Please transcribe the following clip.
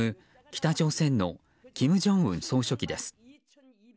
北朝鮮の金正恩総書記です。